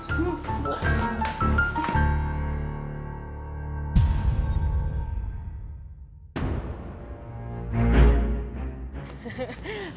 sampai jumpa lagi